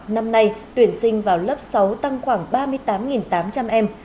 năm nay tuyển sinh vào lớp sáu tăng khoảng ba mươi tám tám trăm linh em